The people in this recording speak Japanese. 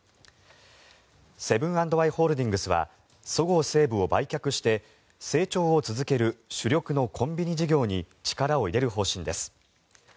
セブン＆アイ・ホールディングスはそごう・西武を売却して成長を続ける主力のコンビニ事業に力を入れる方針です。